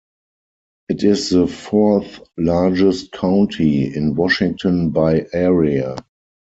It is the fourth-largest county in Washington by area.